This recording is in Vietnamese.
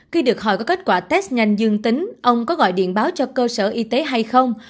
khi được hỏi có kết quả test nhanh dương tính ông có gọi điện báo cho cơ sở y tế hay không